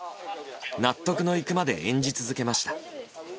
納得のいくまで演じ続けました。